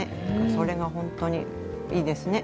それが本当にいいですね。